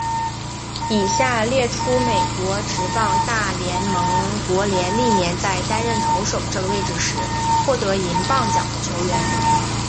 以下列出美国职棒大联盟国联历年在担任投手这个位置时获得银棒奖的球员。